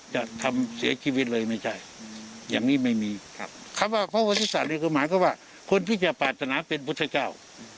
จะทำเสียชีวิตเลยไม่ใช่อย่างนี้ไม่มีครับคำว่าพระพุทธศาสตร์นี่คือหมายความว่าคนที่จะปรารถนาเป็นพุทธเจ้า